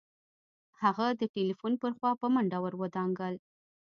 هغه د ټليفون پر خوا په منډه ور ودانګل.